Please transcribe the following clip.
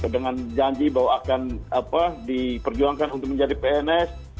dengan janji bahwa akan diperjuangkan untuk menjadi pns